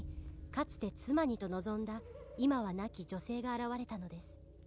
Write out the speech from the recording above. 「かつて妻にと望んだ今は亡き女性が現れたのです」